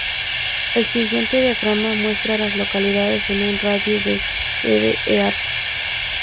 El siguiente diagrama muestra a las localidades en un radio de de Earl.